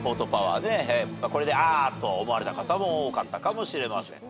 これでああと思われた方も多かったかもしれません。